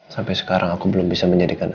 sampai sekarang aku belum bisa mencoba untuk mencoba